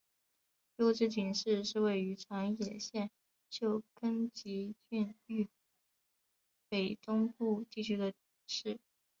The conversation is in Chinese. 筱之井市是位于长野县旧更级郡域北东部地区的市。